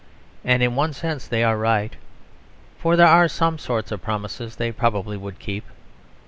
And in one sense they are right; for there are some sorts of promises they probably would keep.